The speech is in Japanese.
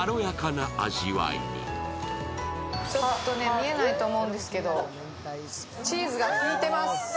見えないと思うんですけど、チーズが引いてます。